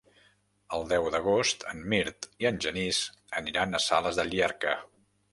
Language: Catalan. El deu d'agost en Mirt i en Genís aniran a Sales de Llierca.